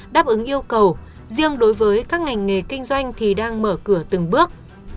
đáp ứng yêu cầu riêng đối với các ngành nghề kinh doanh thì đang mở cửa từng bước